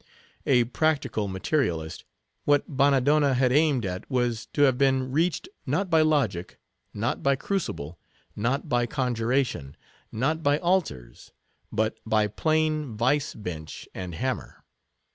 A practical materialist, what Bannadonna had aimed at was to have been reached, not by logic, not by crucible, not by conjuration, not by altars; but by plain vice bench and hammer.